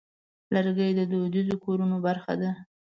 لرګی د دودیزو کورونو برخه ده.